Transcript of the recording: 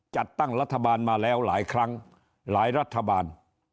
จัดตั้งรัฐบาลมาแล้วหลายครั้งหลายรัฐบาล